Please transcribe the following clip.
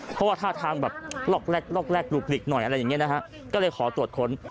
เพราะว่าท่าทางแบบลอกแลกลกแรกดูบฤกษ์หน่อยอะไรอย่างเงี้ยนะครับก็เลยขอตรวจค้น